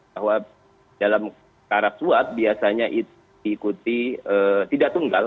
bahwa dalam karab suat biasanya diikuti tidak tunggal